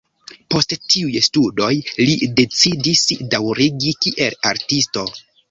Post tiuj studoj li decidis daŭrigi kiel artisto.